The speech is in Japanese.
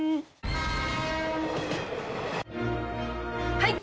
はい！